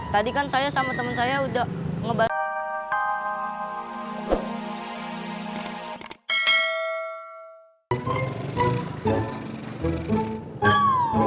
tadi kan saya sama temen saya udah ngebantuin